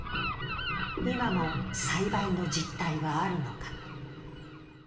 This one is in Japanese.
今も栽培の実態はあるのか。